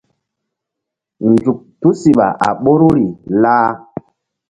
Nzuk tusiɓa a ɓoruri lah.